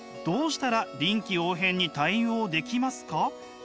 どうしたら臨機応変に対応できますか？」。